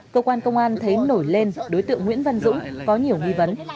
cơ quan công an thấy nổi lên đối tượng nguyễn văn dũng có nhiều nghi vấn